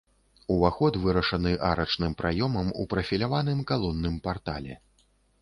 Уваход вырашаны арачным праёмам у прафіляваным калонным партале.